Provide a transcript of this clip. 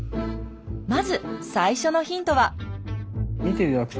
まず最初のヒントは。